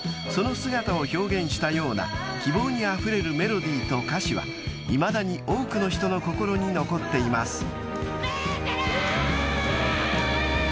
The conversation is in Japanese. ［その姿を表現したような希望にあふれるメロディーと歌詞はいまだに多くの人の心に残っています］